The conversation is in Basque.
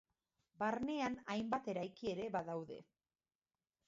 Barnean hainbat eraiki ere badaude.